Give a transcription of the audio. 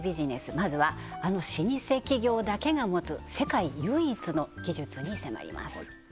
まずはあの老舗企業だけが持つ世界唯一の技術に迫ります